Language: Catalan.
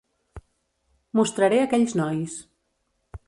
Mostraré aquells nois.